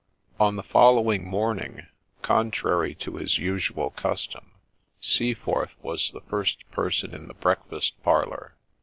On the following morning, contrary to his usual custom, Seaforth was the first person in the breakfast parlour.